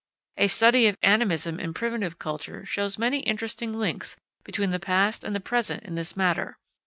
A study of animism in primitive culture shows many interesting links between the past and the present in this matter.